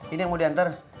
ini yang mau diantar